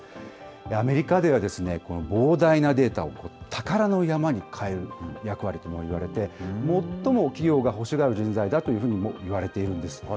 アメリカではこの膨大なデータを宝の山に変えるという役割ともいわれて、最も企業が欲しがる人材だともいわれているんです。